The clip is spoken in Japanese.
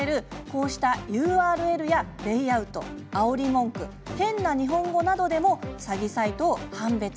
こうしたＵＲＬやレイアウトあおり文句、変な日本語などでも詐欺サイトを判別。